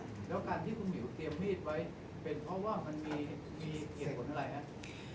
เป็นเพราะว่ามันมีเหตุผลอะไรครับ